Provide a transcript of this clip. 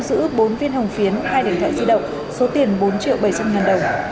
giữ bốn viên hồng phiến hai điện thoại di động số tiền bốn triệu bảy trăm linh ngàn đồng